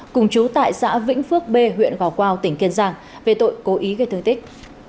cùng chú tại xã vĩnh phước b huyện gò quao tỉnh kiên giang về tội cố ý gây thương tích